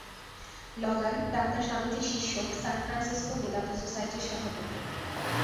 Logan, ডাক্তার স্বামীজীর শিষ্য, সানফ্রান্সিস্কো বেদান্ত সোসাইটির সভাপতি।